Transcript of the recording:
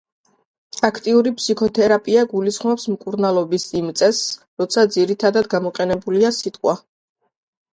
აქტიური ფსიქოთერაპია გულისხმობს მკურნალობის იმ წესს, როცა ძირითადად გამოყენებულია სიტყვა.